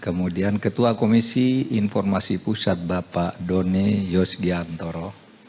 kemudian ketua komisi informasi pusat bapak doni yosgiantoro